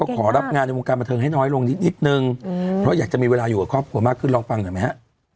ขอรับงานในวงการบันเทิงให้น้อยลงนิดนึงเพราะอยากจะมีเวลาอยู่กับครอบครัวมากขึ้นลองฟังหน่อยไหมฮะ